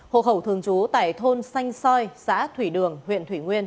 hộ khẩu thường trú tại thôn xanh soi xã thủy đường huyện thủy nguyên